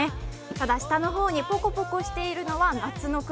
ただ下の方にポコポコしているのは夏の雲。